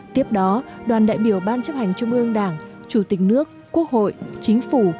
tiếp đó đoàn đại biểu ban chấp hành trung ương đảng chủ tịch nước quốc hội chính phủ